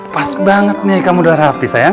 pas banget nih kamu udah rapi sayang